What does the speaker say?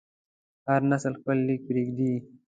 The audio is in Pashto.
هر نسل خپل لیک پرېږدي.